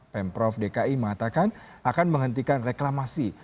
pemprov dki mengatakan akan menghentikan reklamasi